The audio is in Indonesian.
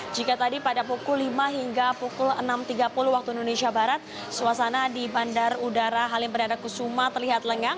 jika tadi pada pukul lima hingga pukul enam tiga puluh waktu indonesia barat suasana di bandar udara halim perdana kusuma terlihat lengang